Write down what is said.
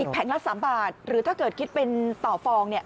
แผงละ๓บาทหรือถ้าเกิดคิดเป็นต่อฟอง